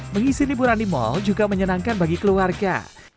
mengisi liburan di mal juga menyenangkan bagi keluarga